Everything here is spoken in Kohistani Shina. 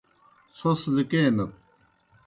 څھوْس لِکینَت۔